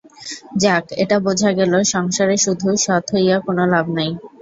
যাক, এটা বোঝা গেল, সংসারে শুধু সৎ হইয়া কোনো লাভ নাই।